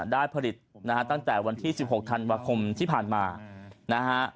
ได้ผลิตนะฮะตั้งแต่วันที่๑๖ธันวาคมที่ผ่านมานะฮะ